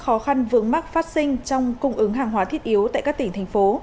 khó khăn vướng mắc phát sinh trong cung ứng hàng hóa thiết yếu tại các tỉnh thành phố